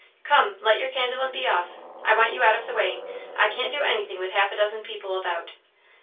"Come, light your candle and be off I want you out of the way; I can't do anything with half a dozen people about."